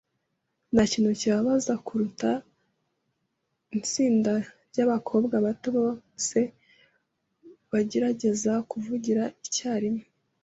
Ntakintu kibabaza kuruta itsinda ryabakobwa bato bose bagerageza kuvugira icyarimwe.